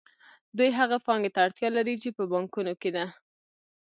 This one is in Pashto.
دوی هغې پانګې ته اړتیا لري چې په بانکونو کې ده